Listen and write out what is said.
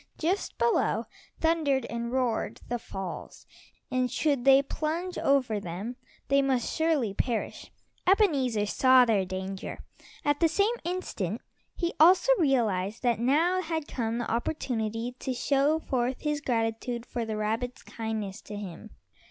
Just below thundered and roared the falls, and should they plunge over them they must surely perish. Ebenezer saw their danger. At the same instant he also realized that now had come the opportunity to show forth his gratitude for the rabbit's kindness to him.